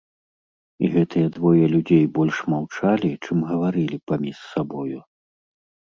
І гэтыя двое людзей больш маўчалі, чым гаварылі паміж сабою.